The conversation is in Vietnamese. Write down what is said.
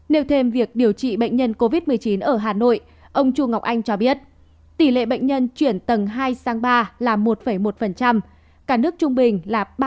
nêu thêm việc điều trị bệnh nhân covid một mươi chín ở hà nội ông chu ngọc anh cho biết tỷ lệ bệnh nhân chuyển tầng hai sang ba là một một cả nước trung bình là ba mươi